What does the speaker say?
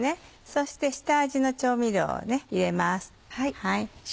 そして下味の調味料を入れます。